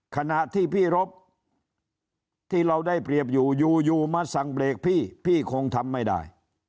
ขณะที่พี่รบที่เราได้เปรียบอยู่อยู่มาสั่งเบรกพี่พี่คงทำไม่ได้